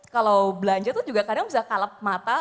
kalau belanja tuh juga kadang bisa kalep mata